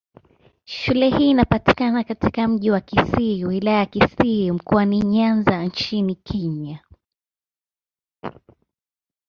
Shule hii inapatikana katika Mji wa Kisii, Wilaya ya Kisii, Mkoani Nyanza nchini Kenya.